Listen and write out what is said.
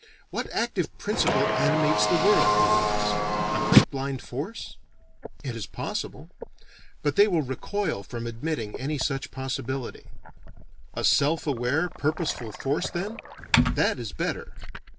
What active principle animates the world, they will ask. A great blind force? It is possible. But they will recoil from admitting any such possibility. A self aware purposeful force then? That is better!